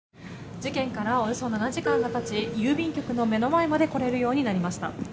事件からおよそ７時間たち郵便局の目の前まで来れるようになりました。